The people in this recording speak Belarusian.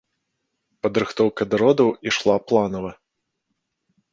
Падрыхтоўка да родаў ішла планава.